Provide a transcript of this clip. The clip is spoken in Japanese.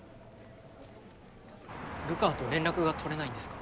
流川と連絡が取れないんですか？